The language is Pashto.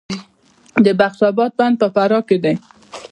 د بخش اباد بند په فراه کې دی